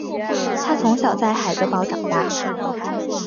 他从小在海德堡长大。